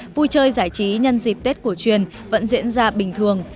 vui chơi giải trí nhân dịp tết cổ truyền vẫn diễn ra bình thường